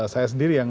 saya sendiri yang